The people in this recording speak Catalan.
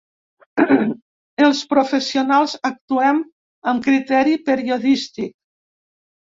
Els professionals actuem amb criteri periodístic